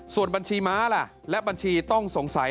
ส่วนบัญชีม้าล่ะและบัญชีต้องสงสัย